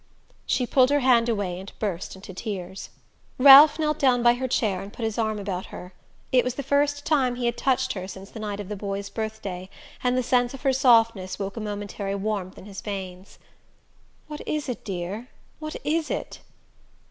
She pulled her hand away and burst into tears. Ralph knelt down by her chair and put his arm about her. It was the first time he had touched her since the night of the boy's birthday, and the sense of her softness woke a momentary warmth in his veins. "What is it, dear? What is it?"